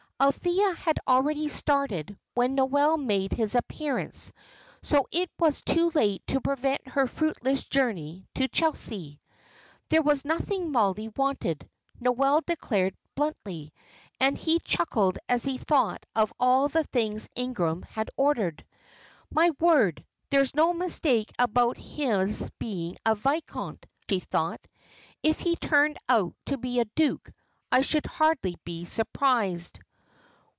Althea had already started when Noel made his appearance, so it was too late to prevent her fruitless journey to Chelsea. There was nothing Mollie wanted, Noel declared, bluntly, and he chuckled as he thought of all the things Ingram had ordered. "My word, there's no mistake about his being a viscount," he thought. "If he turned out to be a duke I should hardly be surprised."